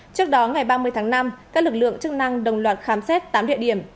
trước đó ngày ba mươi tháng năm các lực lượng chức năng đồng loạt khám xét tám địa điểm